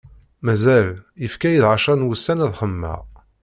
Mazal! Yefka-yi-d ɛecra n wussan ad xemmeɣ.